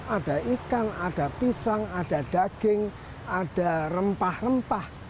ada ikan ada pisang ada daging ada rempah rempah